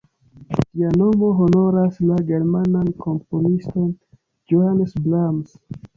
Ĝia nomo honoras la germanan komponiston Johannes Brahms.